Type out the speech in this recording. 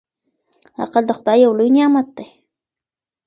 عقل د خدای يو لوی نعمت دی.